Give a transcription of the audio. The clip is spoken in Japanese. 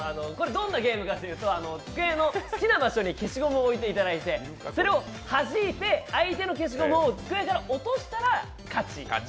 どんなゲームかというと机の好きな場所に消しゴムをおいていただいてそれをはじいて相手の消しゴムを机から落としたら勝ち。